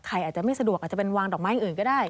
อาจจะไม่สะดวกอาจจะเป็นวางดอกไม้อย่างอื่นก็ได้